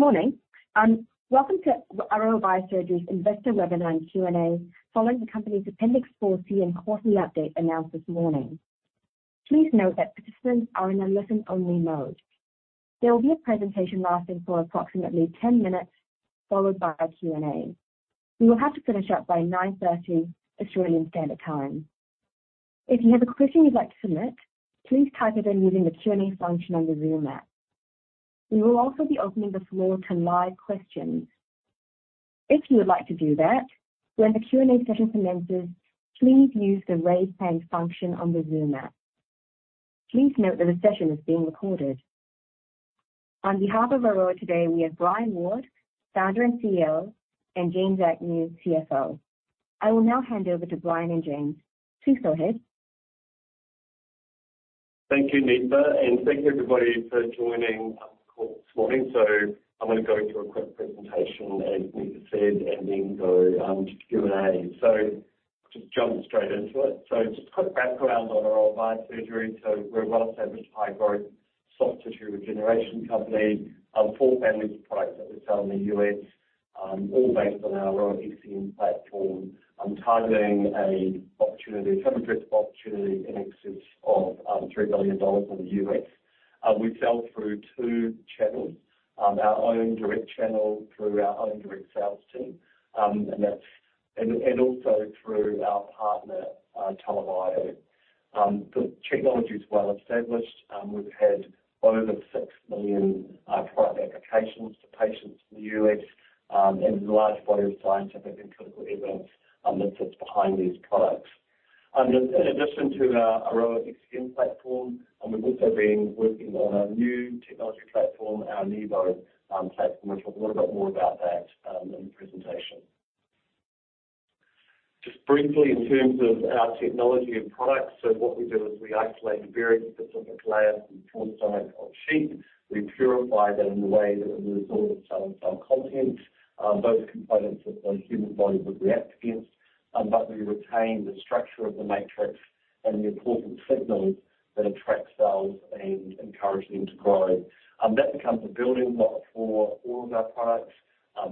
Morning, welcome to Aroa Biosurgery's Investor Webinar and Q&A, following the company's Appendix 4C and quarterly update announced this morning. Please note that participants are in a listen-only mode. There will be a presentation lasting for approximately 10 minutes, followed by a Q&A. We will have to finish up by 9:30 AM Australian Standard Time. If you have a question you'd like to submit, please type it in using the Q&A function on the Zoom app. We will also be opening the floor to live questions. If you would like to do that, when the Q&A session commences, please use the raise hand function on the Zoom app. Please note that the session is being recorded. On behalf of Aroa Biosurgery today, we have Brian Ward, Founder and CEO, and James Agnew, CFO. I will now hand over to Brian and James. Please go ahead. Thank you, Neetha, and thank you, everybody, for joining the call this morning. So I'm gonna go through a quick presentation, as Neetha said, and then go to the Q&A. So just jump straight into it. So just a quick background on Aroa Biosurgery. So we're a well-established, high-growth, soft tissue regeneration company. Four families of products that we sell in the U.S., all based on our Aroa ECM platform. I'm targeting a opportunity, total addressable opportunity in excess of $3 billion in the U.S.. We sell through two channels, our own direct channel, through our own direct sales team, and also through our partner, TELA Bio. The technology is well established. We've had over 6 million product applications to patients in the U.S., and a large body of scientific and clinical evidence that sits behind these products. In addition to our Aroa ECM platform, we've also been working on a new technology platform, our Enivo platform. We'll talk a little bit more about that in the presentation. Just briefly, in terms of our technology and products, so what we do is we isolate a very specific layer from the forestomach of sheep. We purify that in a way that it removes all the cell and cell content, those components that the human body would react against. But we retain the structure of the matrix and the important signals that attract cells and encourage them to grow. That becomes a building block for all of our products.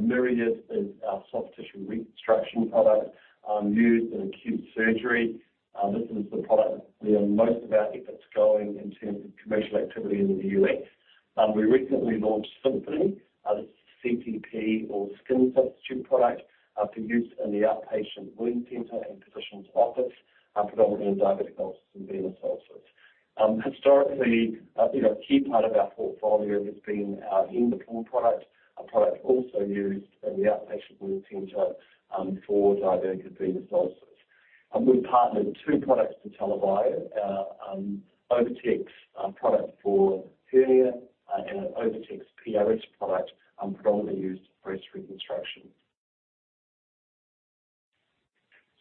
Myriad is our soft tissue reconstruction product, used in acute surgery. This is the product where most of our efforts going in terms of commercial activity in the U.S. We recently launched Symphony, the CTP or skin substitute product, for use in the outpatient wound center and Physician's office, predominantly in diabetic ulcers and venous ulcers. Historically, you know, a key part of our portfolio has been our Endoform product, a product also used in the outpatient wound center, for diabetic and venous ulcers. We've partnered two products to TELA Bio, OviTex product for Hernia, and an OviTex PRS product, Predominantly used for Breast reconstruction.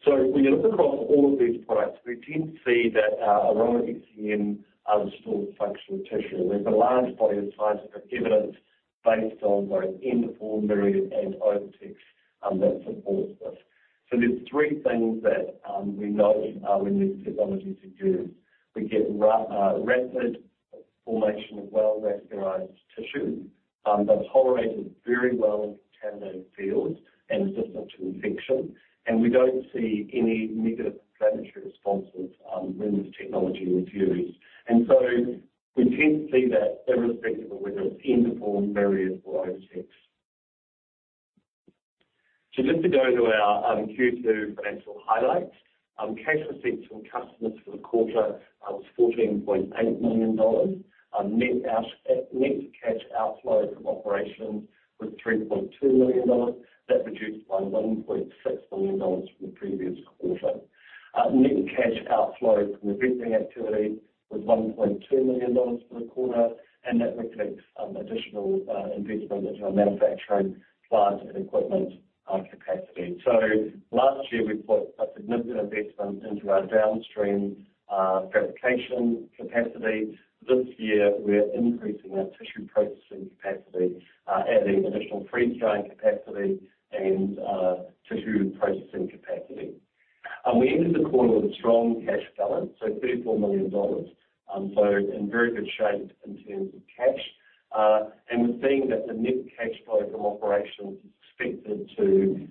So when you look across all of these products, we tend to see that our Aroa ECM restores functional tissue. We've a large body of scientific evidence based on both Endoform, Myriad, and OviTex that supports this. So there's three things that we know we need technology to do. We get rapid formation of well-vascularized tissue that's tolerated very well in the contaminated field and resistant to infection, and we don't see any negative inflammatory responses when this technology is used. And so we tend to see that irrespective of whether it's Endoform, Myriad, or OviTex. So just to go to our Q2 financial highlights. Cash received from customers for the quarter was 14.8 million dollars. Net cash outflow from operations was 3.2 million dollars. That reduced by 1.6 million dollars from the previous quarter. Net cash outflow from investing activity was AUD 1.2 million for the quarter, and that reflects additional investment into our manufacturing plant and equipment capacity. So last year, we put a significant investment into our downstream fabrication capacity. This year, we're increasing our tissue processing capacity, adding additional freeze drying capacity and tissue processing capacity. We ended the quarter with a strong cash balance, so 34 million dollars, so in very good shape in terms of cash. And we're seeing that the net cash flow from operations is expected to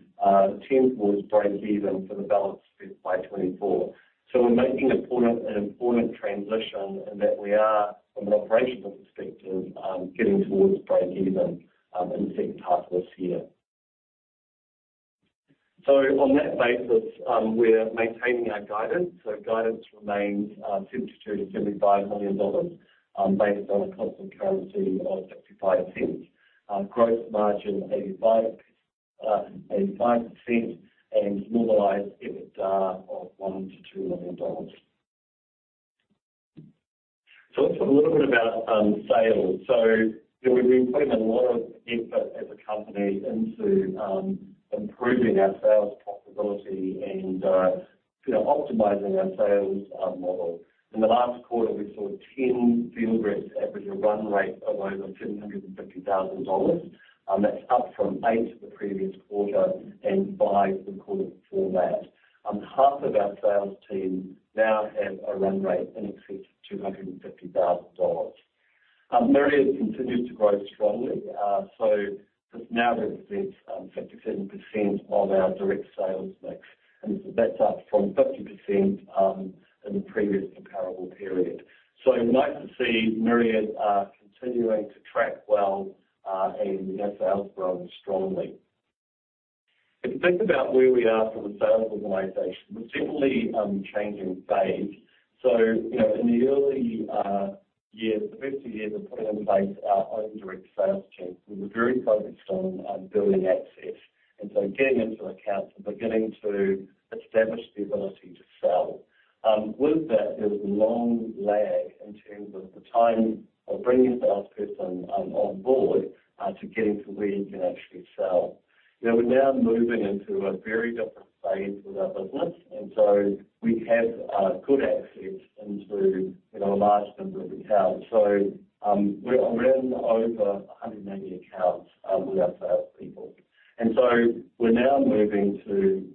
tend towards break even for the balance FY 2024. So we're making an important transition in that we are, from an operational perspective, getting towards break even in the H2 of this year. So on that basis, we're maintaining our guidance. So guidance remains, $72 million-$75 million, based on a constant currency of 0.65. Gross margin, 85%, and normalized EBITDA of $1 million-$2 million. So let's talk a little bit about, sales. So, you know, we've been putting a lot of effort as a company into, improving our sales profitability and, you know, optimizing our sales, model. In the last quarter, we saw 10 field reps average a run rate of over $250,000. That's up from eight the previous quarter and 5 the quarter before that. Half of our sales team now have a run rate in excess of $250,000. Myriad continues to grow strongly, so this now represents 57% of our direct sales mix, and that's up from 50% in the previous comparable period. Nice to see Myriad continuing to track well, and our sales growing strongly. If you think about where we are for the sales organization, we're definitely changing phase. So, you know, in the early years, the first few years of putting in place our own direct sales team, we were very focused on building access, and so getting into accounts and beginning to establish the ability to sell. With that, there was a long lag in terms of the time of bringing a salesperson on board to getting to where you can actually sell. You know, we're now moving into a very different phase with our business, and so we have good access into, you know, a large number of accounts. So, we're around over 190 accounts with our sales people. And so we're now moving to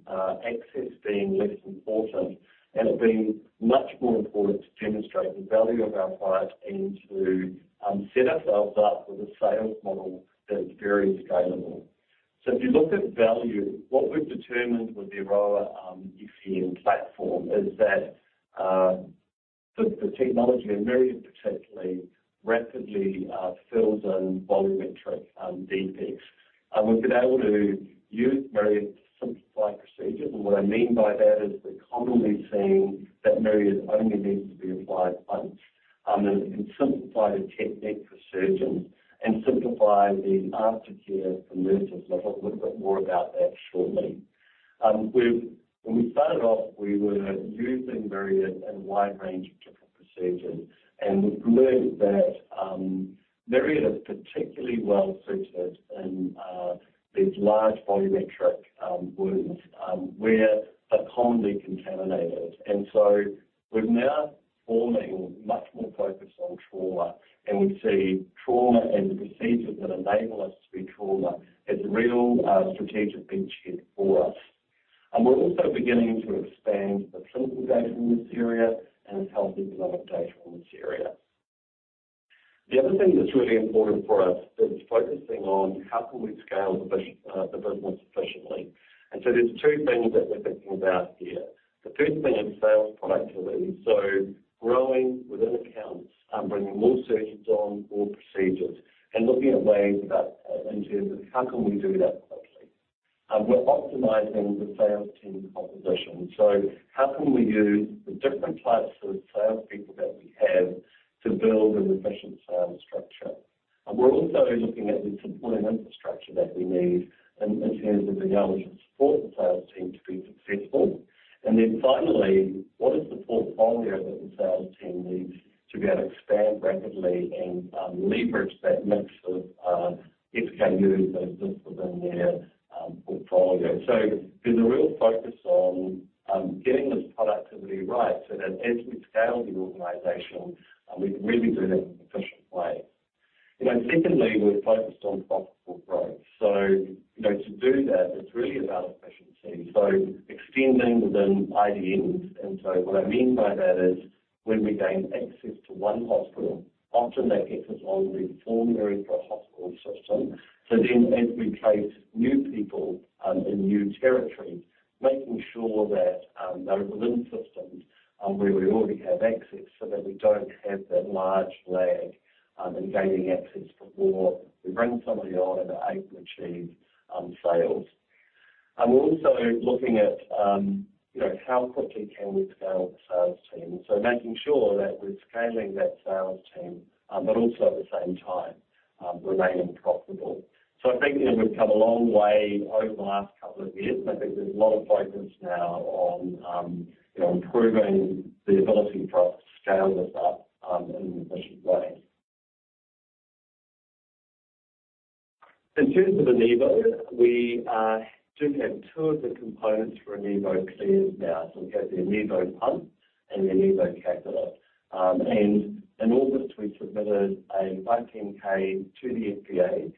access being less important, and it being much more important to demonstrate the value of our product and to set ourselves up with a sales model that is very scalable. So if you look at value, what we've determined with the Aroa ECM platform is that the technology in Myriad particularly rapidly fills in volumetric defects. We've been able to use Myriad to simplify procedures, and what I mean by that is we're commonly seeing that Myriad only needs to be applied once, and simplify the technique for surgeons and simplify the aftercare for nurses. I'll talk a little bit more about that shortly. When we started off, we were using Myriad in a wide range of different procedures, and we've learned that Myriad is particularly well suited in these large volumetric wounds where they're commonly contaminated. And so we're now forming much more focus on trauma, and we see trauma and the procedures that enable us to be trauma as a real strategic beachhead for us. And we're also beginning to expand the clinical data in this area and Health Ecnomic data in this area. The other thing that's really important for us is focusing on how can we scale the business efficiently. So there's two things that we're thinking about here. The first thing is sales productivity, so growing within accounts, bringing more surgeons on board procedures, and looking at ways that, in terms of how can we do that quickly? We're optimizing the sales team composition, so how can we use the different types of sales people that we have to build an efficient sales structure? We're also looking at the supporting infrastructure that we need in terms of the ability to support the sales team to be successful. Then finally, what is the portfolio that the sales team needs to be able to expand rapidly and leverage that mix of SKUs that exist within their portfolio? So there's a real focus on getting this productivity right, so that as we scale the organization, we can really do that in an efficient way. You know, secondly, we're focused on profitable growth. So, you know, to do that, it's really about efficiency, so extending within IDNs. And so what I mean by that is when we gain access to one hospital, often that gets us on the formulary for a Hospital system. So then as we place new people in new territories, making sure that they're within systems where we already have access, so that we don't have that large lag in gaining access before we bring somebody on and are able to achieve sales. And we're also looking at, you know, how quickly can we scale the sales team? So making sure that we're scaling that sales team, but also at the same time, remaining profitable. So I think, you know, we've come a long way over the last couple of years, and I think there's a lot of focus now on, you know, improving the ability for us to scale this up, in an efficient way. In terms of Enivo, we do have two of the components for Enivo cleared now. So we have the Enivo pump and the Enivo catheter. And in August, we submitted a 510(k) to the FDA,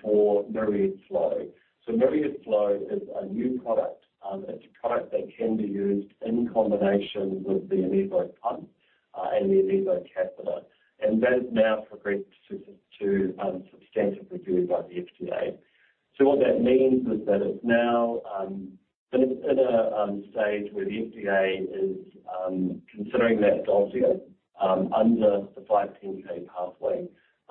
for Myriad Flow. So Myriad Flow is a new product. It's a product that can be used in combination with the Enivo Pump, and the Enivo Catheter, and that is now progressed to, substantively reviewed by the FDA. So what that means is that it's now, it's in a stage where the FDA is considering that dossier under the 510(k) pathway.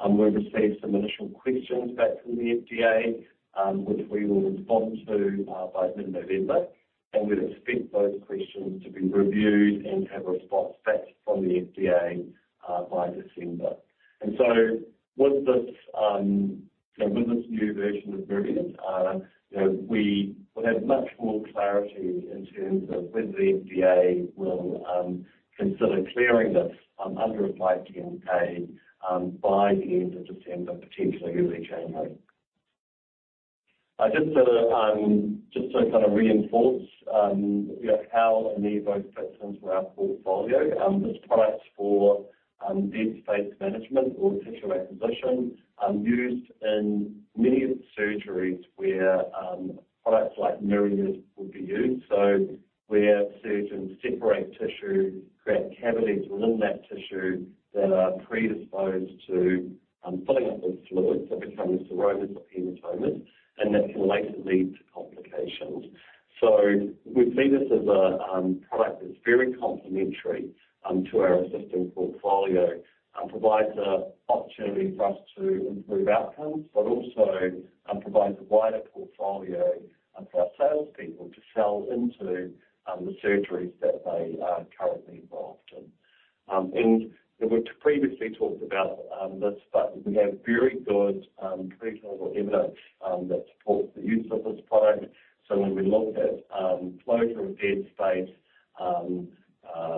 We've received some initial questions back from the FDA, which we will respond to by mid-November, and we'd expect those questions to be reviewed and have a response back from the FDA by December. And so with this, you know, with this new version of Myriad, you know, we will have much more clarity in terms of whether the FDA will consider clearing this under a 510(k) by the end of December, potentially early January.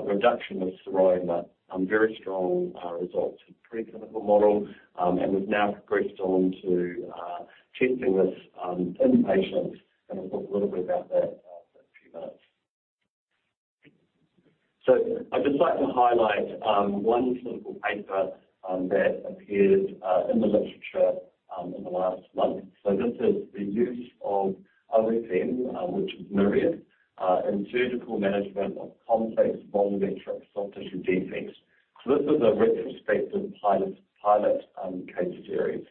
reduction of seroma, very strong results in preclinical models. And we've now progressed on to testing this in patients, and I'll talk a little bit about that in a few minutes. So I'd just like to highlight one clinical paper that appeared in the literature in the last month. So this is the use of other ECM, which is Myriad, in surgical management of complex full-thickness soft tissue defects. So this is a retrospective pilot case series.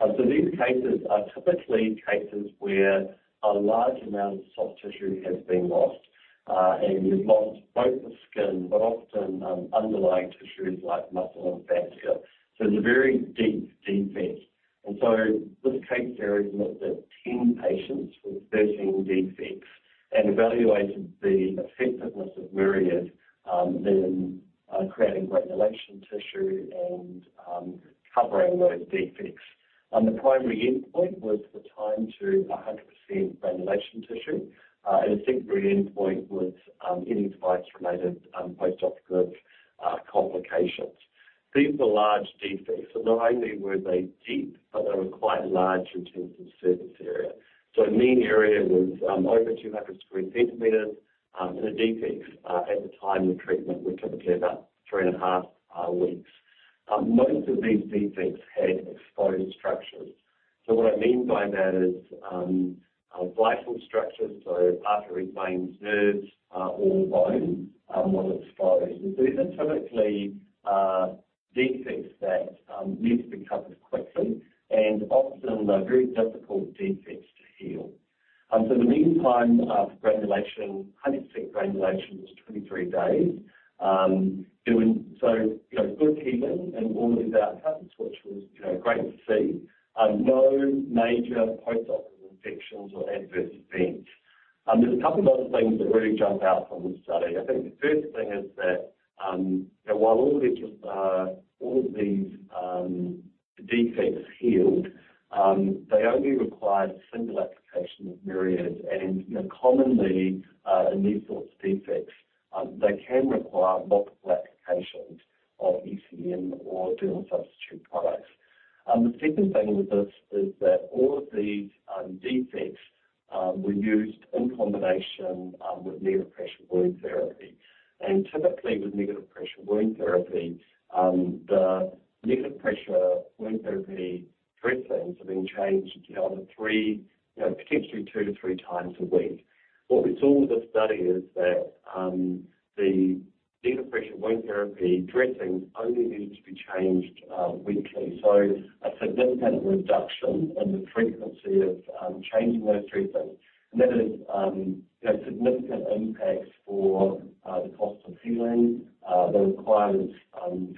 So these cases are typically cases where a large amount of soft tissue has been lost, and you've lost both the skin, but often underlying tissues like muscle and fascia. So it's a very deep defect. This case series looked at 10 patients with 13 defects and evaluated the effectiveness of Myriad in creating granulation tissue and covering those defects. The primary endpoint was the time to 100% granulation tissue, and a secondary endpoint was any device-related post-operative complications. These were large defects, and not only were they deep, but they were quite large in terms of surface area. So mean area was over 200 sq cm in a defect at the time of treatment, were typically about 3.5 weeks. Most of these defects had exposed structures. So what I mean by that is vital structures, so arteries, veins, nerves, or bone, were exposed. So these are typically defects that need to be covered quickly, and often they're very difficult defects to heal. So the mean time for granulation, 100% granulation, was 23 days. It was so, you know, good healing and all the outcomes, which was, you know, great to see. No major post-operative infections or adverse events. There's a couple of other things that really jump out from the study. I think the first thing is that while all of these defects healed, they only required a single application of Myriad. And, you know, commonly in these sorts of defects, they can require multiple applications of ECM or dermal substitute products. The second thing with this is that all of these defects were used in combination with negative pressure wound therapy. Typically, with negative pressure wound therapy, the negative pressure wound therapy dressings are being changed, you know, particularly 2x-3x a week. What we saw with this study is that, the negative pressure wound therapy dressings only needed to be changed, weekly, so a significant reduction in the frequency of, changing those dressings. And that is, you know, significant impacts for, the cost of healing, the requirements,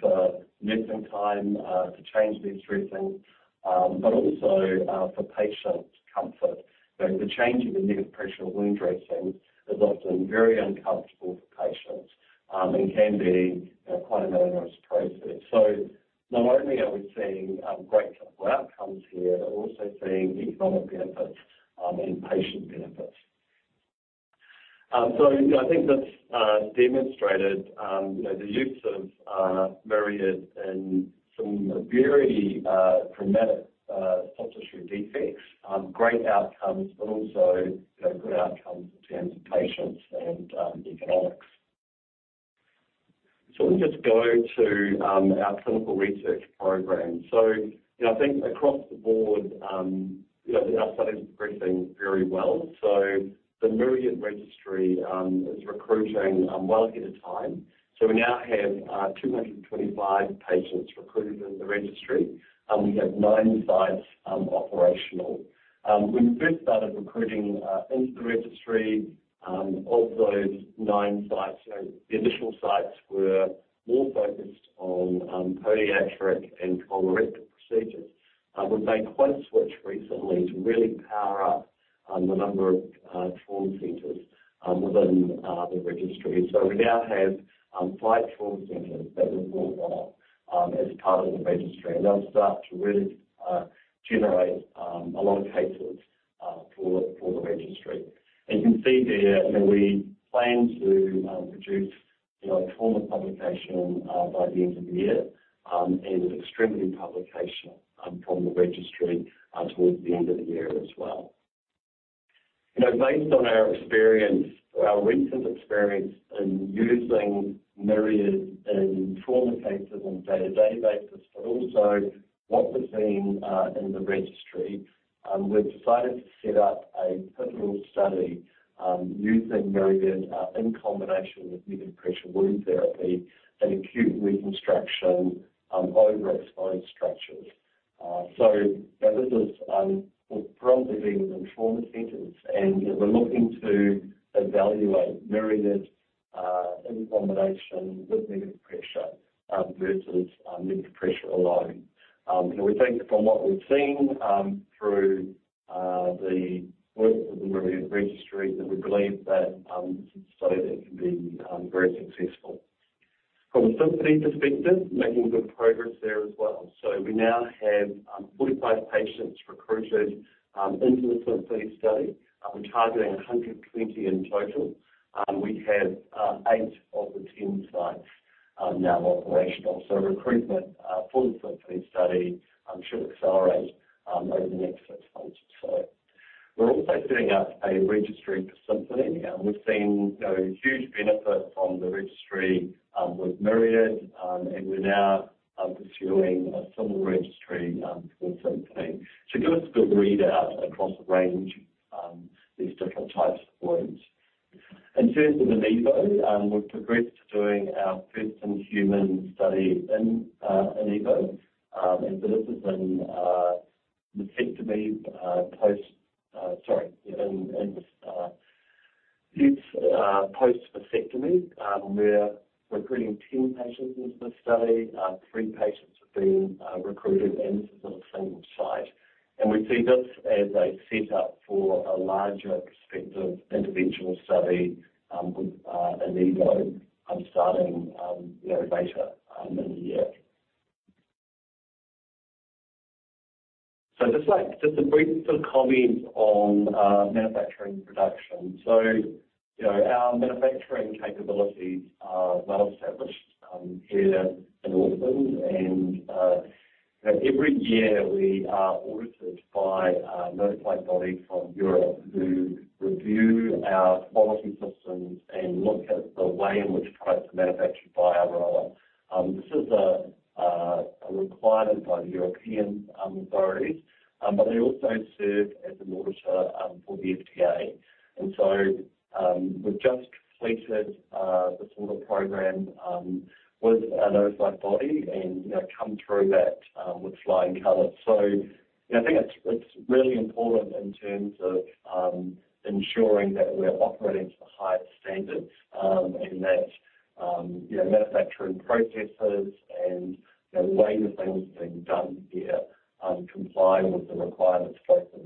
for nursing time, to change these dressings, but also, for patient comfort. You know, the change in the negative pressure wound therapy dressing is often very uncomfortable for patients, and can be, you know, quite a onerous process. So not only are we seeing, great clinical outcomes here, but also seeing economic benefits, and patient benefits. So I think that's demonstrated, you know, the use of Myriad in some very dramatic soft tissue defects, great outcomes, but also, you know, good outcomes in terms of patients and economics. So let me just go to our clinical research program. So, you know, I think across the board, you know, our study is progressing very well. So the Myriad registry is recruiting well ahead of time. So we now have 225 patients recruited in the registry, and we have nine sites operational. When we first started recruiting into the registry, of those nine sites, you know, the initial sites were more focused on pediatric and colorectal procedures. We've made quite a switch recently to really power up the number of trauma centers within the registry. So we now have five trauma centers that were brought on as part of the registry, and they'll start to really generate a lot of cases for the registry. And you can see there, you know, we plan to produce, you know, a trauma publication by the end of the year, and an extremity publication from the registry towards the end of the year as well. You know, based on our experience, our recent experience in using Myriad in trauma cases on a day-to-day basis, but also what we're seeing in the registry, we've decided to set up a clinical study using Myriad in combination with negative pressure wound therapy and acute reconstruction over exposed structures. So, you know, will predominantly be in the trauma centers, and, you know, we're looking to evaluate Myriad in combination with negative pressure versus negative pressure alone. You know, we think from what we've seen through the work of the Myriad registry, that we believe that this study can be very successful. From a with Myriad, and we're now pursuing a similar registry for Symphony. To give us a good readout across a range, these different types of wounds. In terms of Enivo, we've progressed doing our first in-human study in Enivo, and so this is in mastectomy post, sorry, in post mastectomy. We're recruiting 10 patients into the study. Three patients have been recruited, and this is on a single site. We see this as a set-up for a larger perspective, individual study, with Enivo, starting, you know, later in the year. So just like a brief sort of comment on manufacturing production. So, you know, our manufacturing capabilities are well established here in Auckland, and every year we are audited by a Notified Body from Europe who review our quality systems and look at the way in which products are manufactured by Aroa. This is a requirement by the European authorities, but they also serve as an auditor for the FDA. And so, we've just completed the sort of program with a Notified Body and, you know, come through that with flying colors. So I think it's really important in terms of ensuring that we're operating to the highest standards, and that you know, manufacturing processes and you know, the way the things are being done here comply with the requirements both in the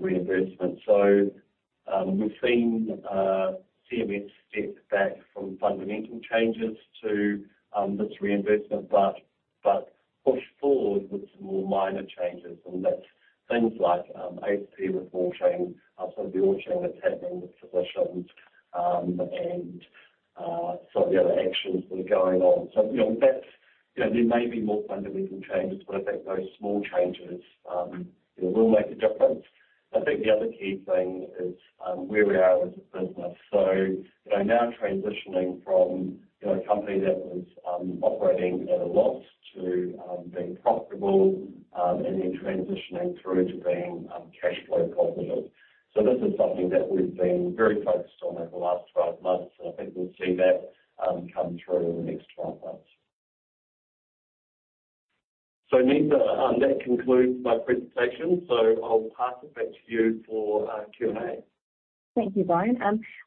reimbursement. So, we've seen CMS step back from fundamental changes to this reimbursement, but push forward with some more minor changes, and that's things like ASP reform change, so the reform chain that's happening with physicians, and some of the other actions that are going on. So, you know, that's, you know, there may be more fundamental changes, but I think those small changes, you know, will make a difference. I think the other key thing is, where we are as a business. So, you know, now transitioning from, you know, a company that was, operating at a loss to, being profitable, and then transitioning through to being, cash flow positive. So this is something that we've been very focused on over the last 12 months, and I think we'll see that, come through in the next 12 months. So Neetha, that concludes my presentation, so I'll pass it back to you for, Q&A. Thank you, Brian.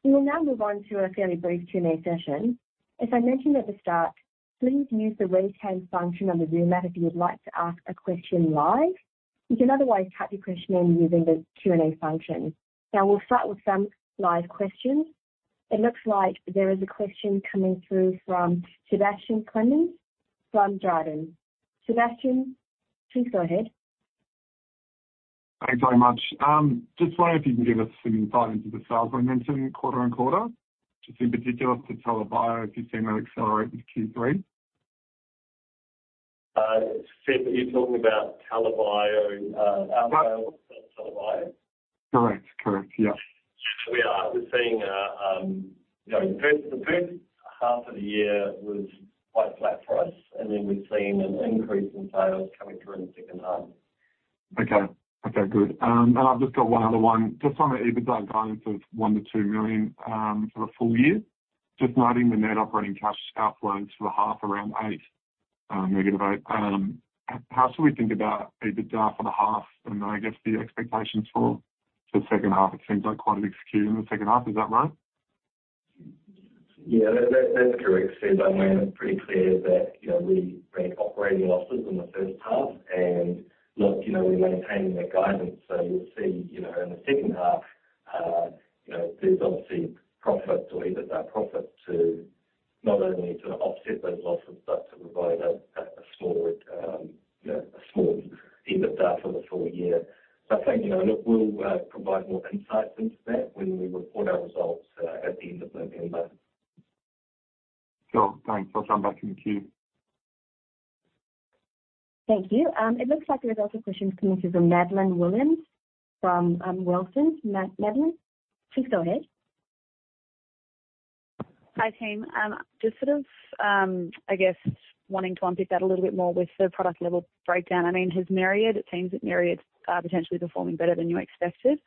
We will now move on to a fairly brief Q&A session. As I mentioned at the start, please use the raise hand function on the Zoom app if you would like to ask a question live. You can otherwise type your question in using the Q&A function. Now, we'll start with some live questions. It looks like there is a question coming through from Sebastian Clemens from Jarden. Sebastian, please go ahead. Thanks very much. Just wondering if you can give us some insight into the sales momentum quarter on quarter, just in particular to TELA Bio, if you've seen that accelerate in Q3? Seb, are you talking about TELA Bio - Right. Our sales for TELA Bio? Correct. Correct, yes. Yeah, we are. We're seeing, you know, in the first half of the year was quite flat for us, and then we've seen an increase in sales coming through in the H2. Okay. Okay, good. And I've just got one other one. Just on the EBITDA guidance of 1 million-2 million for the full year. Just noting the net operating cash outflows for the half around negative 8 million. How should we think about EBITDA for the half, and I guess the expectations for the H2? It seems like quite a big skew in the H2. Is that right? Yeah, that, that's correct, Steve. I mean, it's pretty clear that, you know, we made operating losses in the first half and look, you know, we're maintaining that guidance. So you'll see, you know, in the H2, there's obviously profit or EBITDA profit to not only offset those losses, but to provide a small, you know, a small EBITDA for the full year. I think, you know, look, we'll provide more insights into that when we report our results at the end of November. Sure, thanks. I'll turn back in the queue. Thank you. It looks like there is also questions coming through from Madeleine Williams from Wilsons. Madeleine, please go ahead. Hi, team. Just sort of, I guess, wanting to unpick that a little bit more with the product level breakdown. I mean, has Myriad, it seems that Myriad's, potentially performing better than you expected.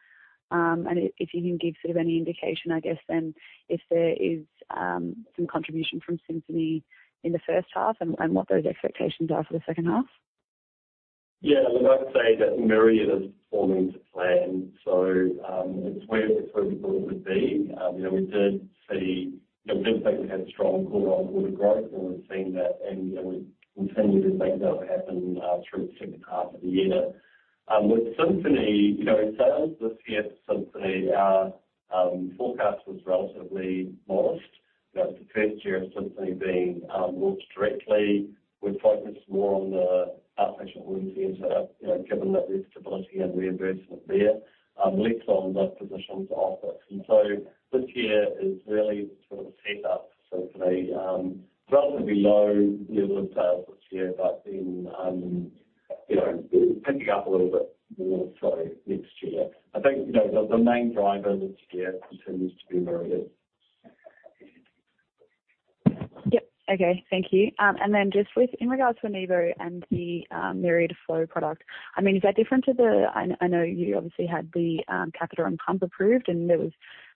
And if you can give sort of any indication, I guess then, if there is, some contribution from Symphony in the first half and what those expectations are for the H2. Yeah, look, I'd say that Myriad is performing to plan, so it's where, it's where we thought it would be. You know, we did see, you know, we did think we had strong quarter-on-quarter growth, and we've seen that. And, you know, we continue to think that will happen through the H2 of the year. With Symphony, you know, sales this year for Symphony, our forecast was relatively modest. You know, it's the first year of Symphony being launched directly. We're focused more on the Artificial Organs here, so, you know, given that there's stability and reimbursement there, less on the physicians office. And so this year is really sort of set up so for a relatively low level of sales this year, but then, you know, picking up a little bit more so next year. I think, you know, the main driver this year continues to be Myriad. Yep. Okay. Thank you. And then just with in regards to Enivo and the, Myriad Flow product, I mean, is that different to the,I know you obviously had the, catheter and pump approved, and there was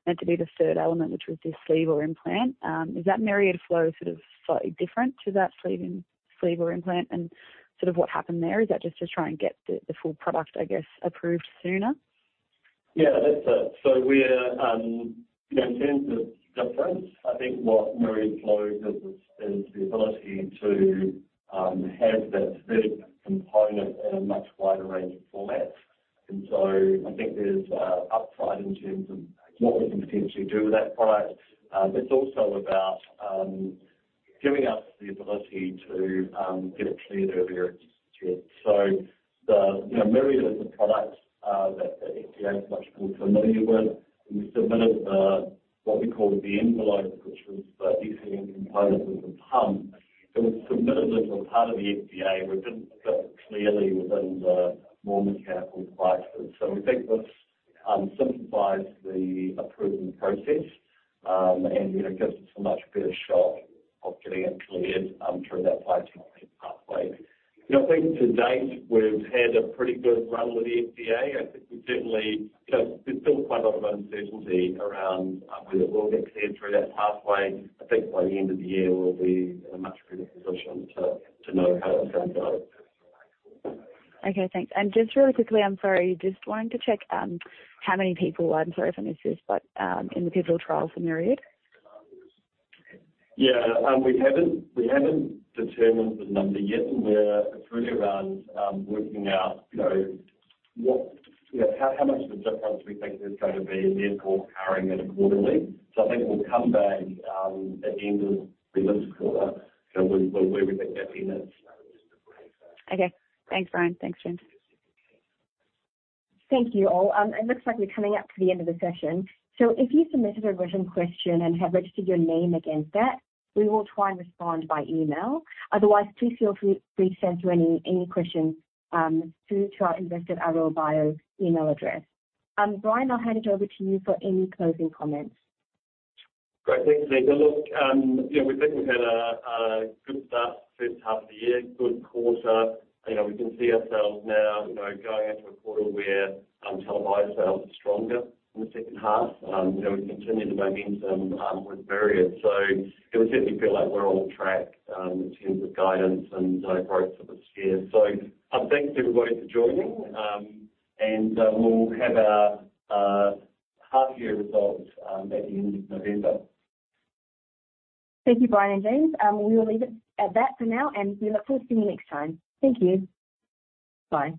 meant to be the third element, which was the sleeve or implant. Is that Myriad Flow sort of slightly different to that sleeve in, sleeve or implant and sort of what happened there? Is that just to try and get the, the full product, I guess, approved sooner? Yeah, that's it. So we're, you know, in terms of difference, I think what Myriad Flow gives us is the ability to have that third component in a much wider range of formats. And so I think there's upside in terms of what we can potentially do with that product. It's also about giving us the ability to get it cleared earlier this year. So the, you know, Myriad is a product that the FDA is much more familiar with. We submitted the, what we call the Enivo, which was the FDA component of the pump. It was submitted as a part of the FDA. We didn't fit clearly within the more mechanical devices. So we think this simplifies the approval process, and, you know, gives us a much better shot of getting it cleared through that pathway. You know, I think to date, we've had a pretty good run with the FDA. I think we certainly, you know, there's still quite a lot of uncertainty around whether it will get cleared through that pathway. I think by the end of the year, we'll be in a much better position to know how that's going to go. Okay, thanks. And just really quickly, I'm sorry, just wanted to check, how many people, I'm sorry if I missed this, but, in the pivotal trial for Myriad? Yeah. We haven't determined the number yet, and we're really around working out, you know, what, you know, how much of a difference we think there's going to be, and therefore powering it accordingly. So I think we'll come back at the end of the next quarter, you know, with where we think that is. Okay. Thanks, Brian. Thanks, James. Thank you all. It looks like we're coming up to the end of the session. So if you submitted a written question and have registered your name against that, we will try and respond by email. Otherwise, please feel free to send any questions through to our investor Aroa Bio email address. Brian, I'll hand it over to you for any closing comments. Great. Thanks, Neetha. Look, you know, we think we've had a good start first half of the year, good quarter. You know, we can see ourselves now, you know, going into a quarter where TELA's sales are stronger in the H2. You know, we continue the momentum with Myriad. So it will certainly feel like we're on track in terms of guidance and growth for this year. So, and thanks, everybody, for joining, and we'll have our half year results at the end of November. Thank you, Brian and James. We will leave it at that for now, and we look forward to seeing you next time. Thank you. Bye.